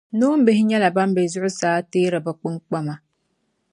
Noombihi nyɛla ban bɛ zuɣusaa n teeri bɛ kpimkpama